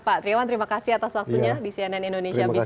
pak triawan terima kasih atas waktunya di cnn indonesia business